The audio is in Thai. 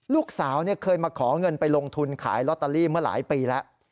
ลูกสาวเคยมาขอเงินไปลงทุนขายลอตเตอรี่เมื่อหลายปีแล้ว